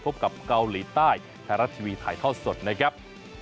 พบกับเกาหลีใต้ไทยรัฐทีวีถ่ายทอดสดนะครับ